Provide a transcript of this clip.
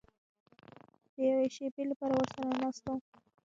د یوې شېبې لپاره ورسره ناست وم.